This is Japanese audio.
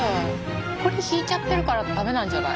これひいちゃってるから駄目なんじゃない？